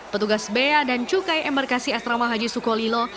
petugas bea dan cukai embarkasi asrama haji sukolilo